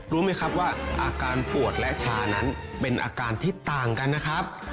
รู้ไหมครับว่าอาการปวดและชานั้นเป็นอาการที่ต่างกันนะครับ